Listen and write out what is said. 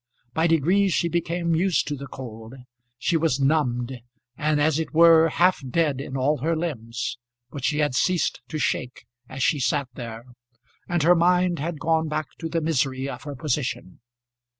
By degrees she became used to the cold. She was numbed, and as it were, half dead in all her limbs, but she had ceased to shake as she sat there, and her mind had gone back to the misery of her position.